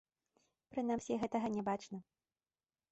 Прынамсі, гэтага не бачна.